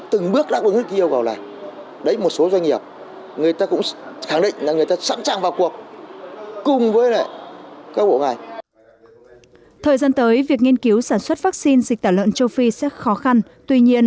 thời gian tới việc nghiên cứu sản xuất vaccine dịch tả lợn châu phi sẽ khó khăn tuy nhiên